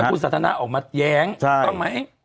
แล้วคุณสัทนาดออกมาแย้งต้องมั้ย